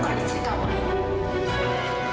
bukan istri kamu aini